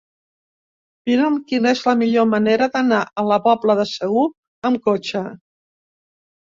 Mira'm quina és la millor manera d'anar a la Pobla de Segur amb cotxe.